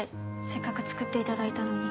せっかく作っていただいたのに。